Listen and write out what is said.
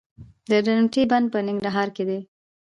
د درونټې بند په ننګرهار کې دی